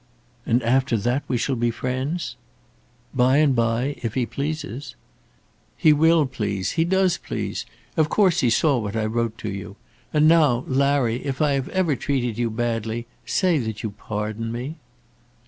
"And after that we shall be friends?" "By and bye, if he pleases." "He will please; he does please. Of course he saw what I wrote to you. And now, Larry, if I have ever treated you badly, say that you pardon me."